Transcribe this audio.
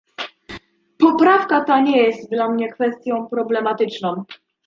Poprawka ta nie jest dla mnie kwestią problematyczną